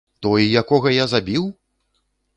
Той, якога я забіў?!